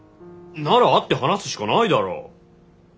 なら会って話すしかないだろ！